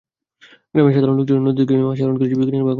গ্রামের সাধারণ লোকজনও নদী থেকে মাছ আহরণ করে জীবিকা নির্বাহ করতেন।